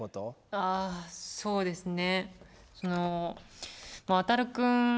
ああそうですね。